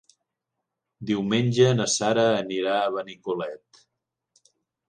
Diumenge na Sara anirà a Benicolet.